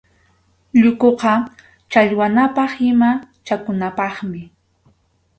Llukuqa challwanapaq ima chakunapaqmi.